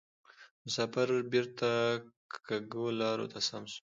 مسافر بیرته کږو لارو ته سم سو